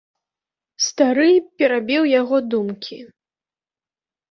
Стары перабіў яго думкі.